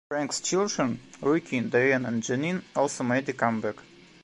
Frank's children, Ricky, Diane and Janine also made a comeback.